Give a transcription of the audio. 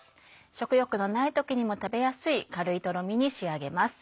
食欲のない時にも食べやすい軽いとろみに仕上げます。